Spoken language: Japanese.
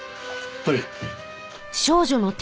はい。